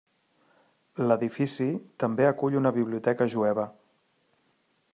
L'edifici també acull una biblioteca jueva.